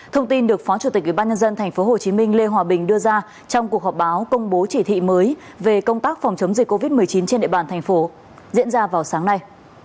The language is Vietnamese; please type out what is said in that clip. thông tin được phó chủ tịch ubnd tp hcm lê hòa bình đưa ra trong cuộc họp báo công bố chỉ thị mới về công tác phòng chống dịch covid một mươi chín trên địa bàn thành phố diễn ra vào sáng nay